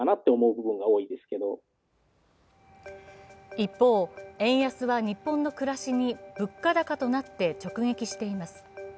一方、円安は日本の暮らしに物価高となって直撃しています。